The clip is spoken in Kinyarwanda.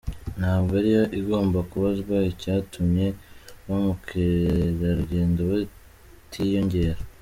Ntabwo ariyo igomba kubazwa icyatumye ba mukerarugendo batiyongera.